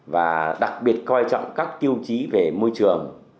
và đặc biệt coi trọng các tiêu chí về môi trường